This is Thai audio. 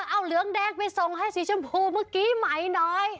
เอาเหลืองแดงไปส่งให้สีชมพูเมื่อกี้ไหมน้อย